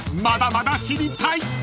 まだまだ知りたい！］